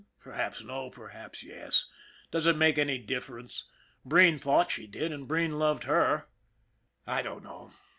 Perhaps no, perhaps yes. Does it make any dif ference ? Breen thought she did, and Breen loved her. I don't know.